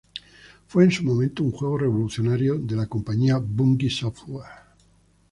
Fue en su momento un juego revolucionario de la compañía Bungie Software.